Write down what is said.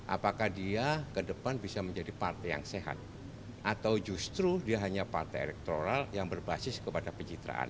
apakah dia ke depan bisa menjadi partai yang sehat atau justru dia hanya partai elektoral yang berbasis kepada pencitraan